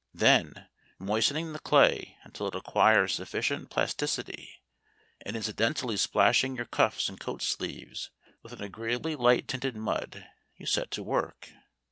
Then, moistening the clay until it acquires sufficient plasticity, and incidentally splashing your cuffs and coat sleeves with an agreeably light tinted mud, you set to work.